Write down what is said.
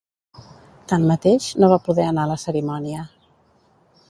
Tanmateix, no va poder anar a la cerimònia.